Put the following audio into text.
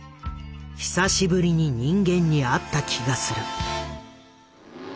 「久しぶりに人間にあった気がする」。